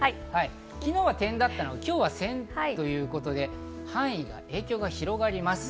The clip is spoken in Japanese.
昨日は点だったのが今日は線ということで、範囲、影響が広がります。